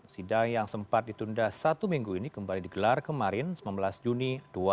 sidang yang sempat ditunda satu minggu ini kembali digelar kemarin sembilan belas juni dua ribu dua puluh